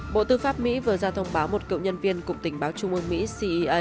bộ tư pháp mỹ vừa ra thông báo một cựu nhân viên cục tình báo trung ương mỹ cea